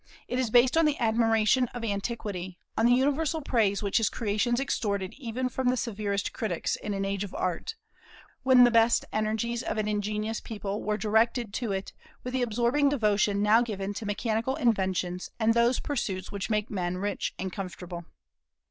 It is based on the admiration of antiquity, on the universal praise which his creations extorted even from the severest critics in an age of Art, when the best energies of an ingenious people were directed to it with the absorbing devotion now given to mechanical inventions and those pursuits which make men rich and comfortable.